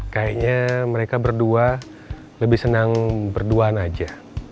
kayaknya mereka berdua lebih senang berduaan aja